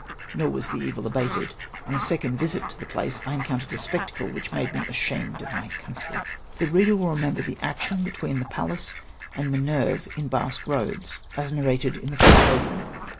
'Not was the evil abated. On o a second visit to the place, I encountered a spectacle wliich made me asliamed of my country. The reader will remember the action between the Pallas and Minerve in Basque Eoads, as narrated in the first volume.